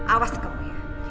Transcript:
awas kemu ya